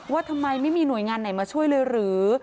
ว่าทำไมไม่มีหน่วยงานไหนมาช่วยเลยหรือ